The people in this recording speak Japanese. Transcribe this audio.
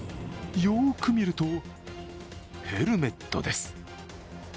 よくみるとヘルメットです。